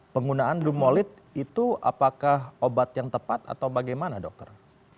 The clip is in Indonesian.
penggunaan dumolid itu apakah obat yang tepat atau bagaimana dokter